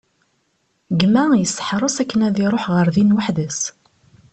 Gma yesteḥres akken ad iruḥ ɣer din weḥd-s.